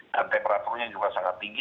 dan temperaturnya juga sangat tinggi